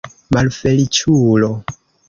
Malfeliĉulo!